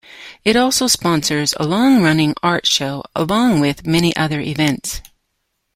It also sponsors a long-running art show along with many other events.